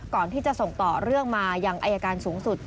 ก่อนที่จะส่งต่อเรื่องมายังอายการสูงสุด